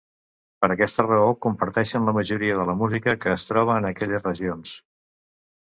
Per aquesta raó, comparteixen la majoria de la música que es troba en aquelles regions.